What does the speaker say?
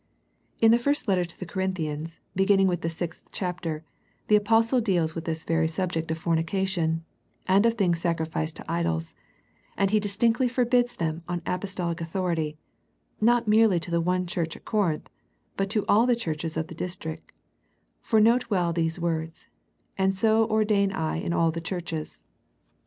In the first letter to the Corinthians, beginning with the sixth chapter, the apostle deals with this very sub ject of fornication, and of things sacrificed to idols, and he distinctly forbids them on apostolic authority, not merely to the one church at Corinth, but to all the churches of the district, for note well these words, " And so ordain I in all the churches."